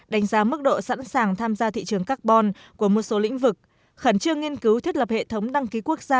đánh giá mức độ sẵn sàng tham gia thị trường carbon của một số lĩnh vực khẩn trương nghiên cứu thiết lập hệ thống đăng ký quốc gia